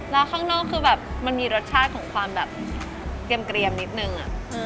แล้วข้างนอกคือแบบมันมีรสชาติของความแบบเกลียมนิดนึง